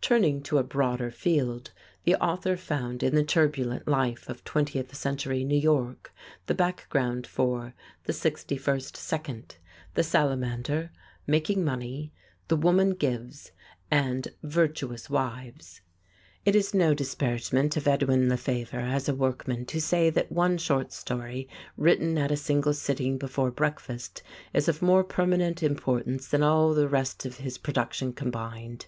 Turning to a broader field, the author found, in the turbulent life of twentieth century New York, the background for "The Sixty first Second," "The Salamander," "Making Money," "The Woman Gives," and "Virtuous Wives." [Illustration: Courtesy Charles Scribner's Sons GOUVERNEUR MORRIS] It is no disparagement of Edwin Lefevre as a workman to say that one short story, written at a single sitting before breakfast, is of more permanent importance than all the rest of his production combined.